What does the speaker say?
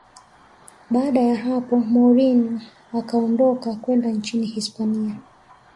baada ya hapo mourinho akaondoka kwenda nchini hispania